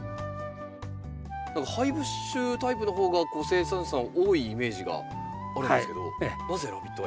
何かハイブッシュタイプのほうが生産者さん多いイメージがあるんですけどなぜラビットアイ？